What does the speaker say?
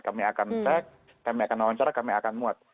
kami akan cek kami akan wawancara kami akan muat